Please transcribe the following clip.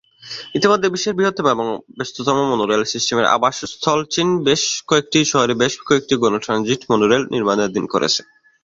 ইতোমধ্যে বিশ্বের বৃহত্তম এবং ব্যস্ততম মনোরেল সিস্টেমের আবাসস্থল চীন বেশ কয়েকটি শহরে বেশ কয়েকটি গণ ট্রানজিট মনোরেল নির্মাণাধীন রয়েছে।